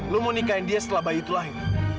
lo mau nikahin dia setelah bayi itu lahir